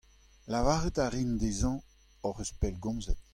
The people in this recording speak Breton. Lavaret a rin dezhañ hoc'h eus pellgomzet.